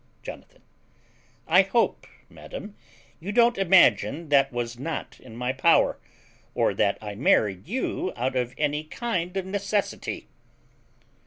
Jonathan. I hope, madam, you don't imagine that was not in my power, or that I married you out of any kind of necessity.